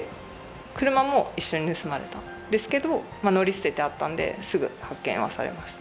車も一緒に盗まれたんですけれども、乗り捨ててあったんで、すぐ発見はされました。